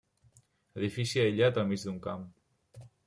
Edifici aïllat al mig d'un camp.